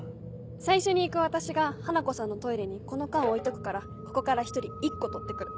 最初に行く私が花子さんのトイレにこの缶置いとくからここから１人１個取って来る。